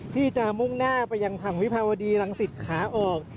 ที่จะมุ่งหน้าไปยังผ่างวิภาวดีหลังศิษย์ขาออก